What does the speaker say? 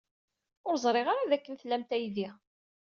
Ur ẓriɣ ara dakken tlamt aydi.